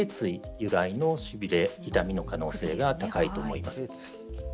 由来のしびれ、痛みの可能性が高いと思います。